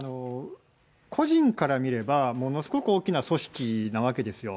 個人から見れば、ものすごく大きな組織なわけですよ。